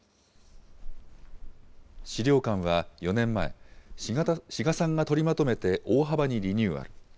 資料館は４年前、志賀さんが取りまとめて大幅にリニューアル。